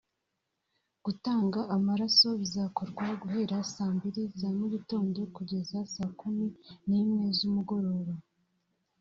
Gutanga amaraso bizakorwa guhera saa mbiri za mu gitondo kugeza saa kumi n’imwe z’umugoroba